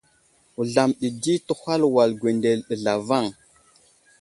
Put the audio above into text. Wuzlam ɗi di təhwal wal gwendele ɗi zlavaŋ.